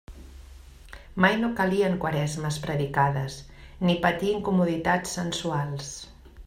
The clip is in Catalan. Mai no calien Quaresmes predicades, ni patir incomoditats sensuals.